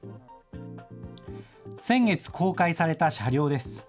先月公開された車両です。